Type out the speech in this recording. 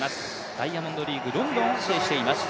ダイヤモンドリーグ、ロンドンを制しています。